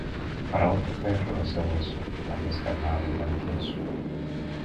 Para otro perro ese hueso, tan descarnado y tan tieso.